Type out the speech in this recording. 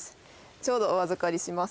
ちょうどお預かりします